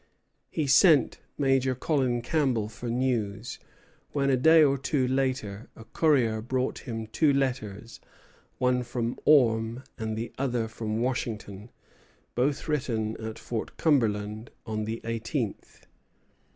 He sent Major Colin Campbell for news; when, a day or two later, a courier brought him two letters, one from Orme, and the other from Washington, both written at Fort Cumberland on the eighteenth.